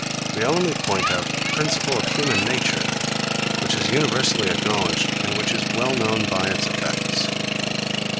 We only point out a principle of human nature, which is universally acknowledged, and which is well known by its effects.